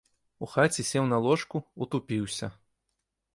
У хаце сеў на ложку, утупіўся.